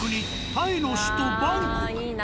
タイの首都バンコク。